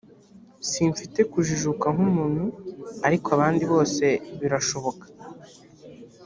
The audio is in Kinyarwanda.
simfite kujijuka nk’umuntu ariko abandi bose birashoboka